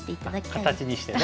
あっ形にしてね。